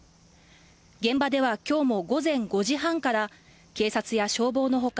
現場では今日も午前５時半から警察や消防の他